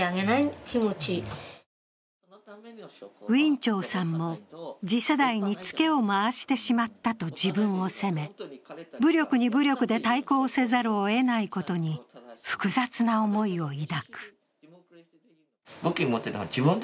ウィン・チョウさんも、次世代にツケを回してしまったと自分を責め、武力に武力で対抗せざるをえないことに複雑な思いを抱く。